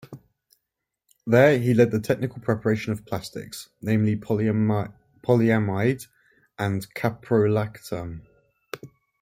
There he led the technical preparation of plastics, namely polyamide and caprolactam.